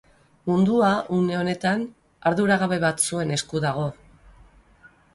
Mundua, une honetan, arduragabe batzuen esku dago.